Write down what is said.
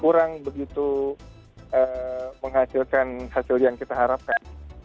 kurang begitu menghasilkan hasil yang kita harapkan